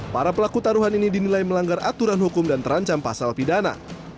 para pelaku taruhan ini dinilai melanggar aturan hukum dan terancam pasal pidana